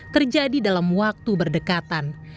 terjadi dalam waktu berdekatan